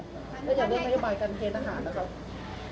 แล้วอย่างนโยบายกันเคทหารแล้วก็